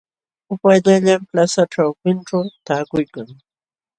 Upaallallaam plaza ćhawpinćhu taakuykan.